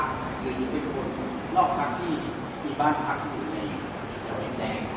หรือเป็นคนล่อคลาวที่มีบ้านพรรคอยู่ในเกาะแดง